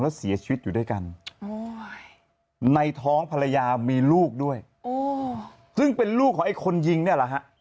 แล้วเสียชีวิตอยู่ด้วยกันในท้องภรรยามีลูกด้วยซึ่งเป็นลูกของไอ้คนยิงเนี่ยแหละฮะ